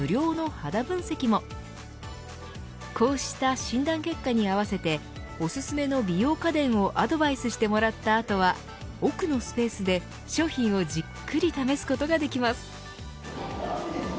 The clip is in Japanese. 肌分析もこうした診断結果に合わせておすすめの美容家電をアドバイスしてもらった後は奥のスペースで、商品をじっくり試すことができます。